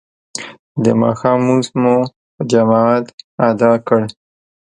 د ماښام لمونځ مو په جماعت ادا کړ.